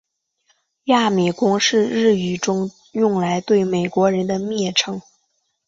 亚米公是日语中用来对美国人的蔑称。